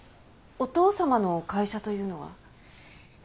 お父様の会社というのは？